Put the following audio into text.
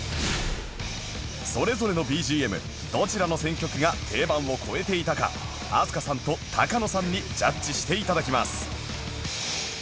それぞれの ＢＧＭ どちらの選曲が定番を超えていたか飛鳥さんとタカノさんにジャッジして頂きます